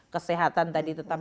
kesehatan tadi tetap